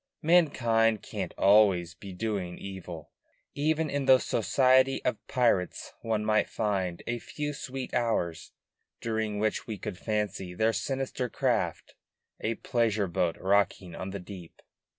Mankind can't always be doing evil. Even in the society of pirates one might find a few sweet hours during which we could fancy their sinister craft a pleasure boat rocking on the deep.